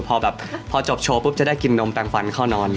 พอแบบพอจบโชว์ปุ๊บจะได้กินนมแปลงฟันเข้านอน